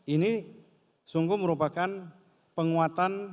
ini sungguh merupakan penguatan